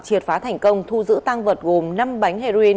triệt phá thành công thu giữ tăng vật gồm năm bánh heroin